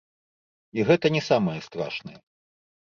І гэта не самае страшнае.